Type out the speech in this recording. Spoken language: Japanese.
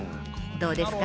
どうですか？